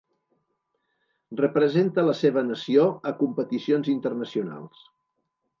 Representa la seva nació a competicions internacionals.